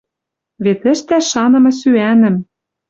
Вет ӹштӓш шанымы сӱӓнӹм...